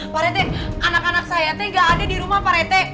pak rete anak anak saya teh gak ada di rumah pak rete